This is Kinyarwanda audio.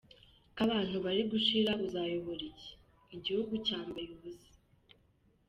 Ko abantu bari gushira uzayobora iki, igihugu cyambaye ubusa?”